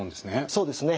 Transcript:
そうですね。